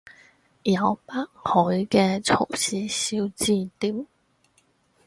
有北海嘅曹氏小字典